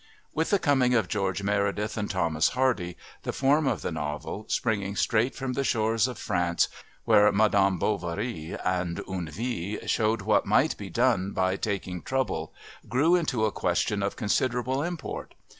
With the coming of George Meredith and Thomas Hardy the Form of the novel, springing straight from the shores of France, where Madame Bovary and Une Vie showed what might be done by taking trouble, grew into a question of considerable import.